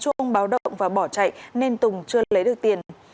chuông báo động và bỏ chạy nên tùng chưa lấy được tiền